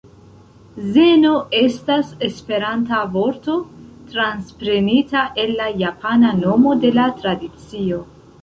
Zeno estas esperanta vorto transprenita el la japana nomo de la tradicio.